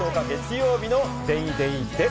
４月１０日月曜日の『ＤａｙＤａｙ．』です。